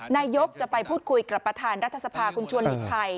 นายกจะไปพูดคุยกับประธานรัฐสภาคุณชวนหลีกภัย